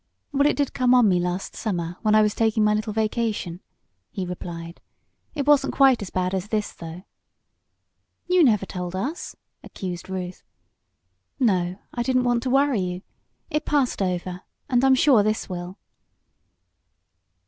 "Well, it did come on me last summer, when I was taking my little vacation," he replied. "It wasn't quite as bad as this, though." "You never told us," accused Ruth. "No, I didn't want to worry you. It passed over, and I'm sure this will."